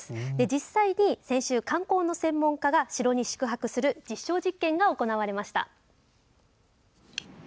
実際に先週、観光の専門家が城に宿泊する実証実験が行われました。